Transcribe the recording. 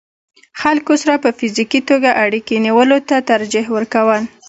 خلکو سره په فزيکي توګه اړيکې نيولو ته ترجيح ورکول